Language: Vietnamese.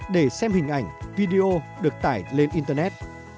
để xem hình ảnh video được tải lên internet